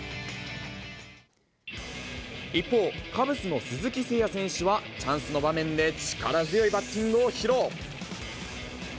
一方、カブスの鈴木誠也選手は、チャンスの場面で力強いバッティングを披露。